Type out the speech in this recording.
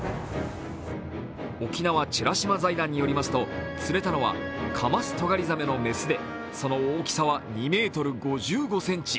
沖縄美ら島財団によりますと釣れたのはカマストガリザメの雌でその大きさは２ｍ５５ｃｍ。